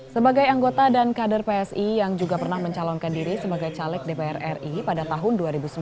sebagai anggota dan kader psi yang juga pernah mencalonkan diri sebagai caleg dpr ri pada tahun dua ribu sembilan